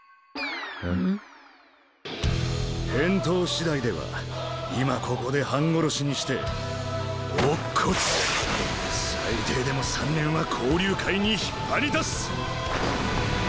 返答しだいでは今ここで半殺しにして乙骨最低でも三年は交流会に引っ張り出す！